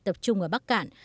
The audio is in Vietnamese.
tập trung ở bắc cạn